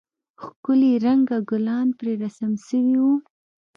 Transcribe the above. ښکلي رنگه گلان پرې رسم سوي وو.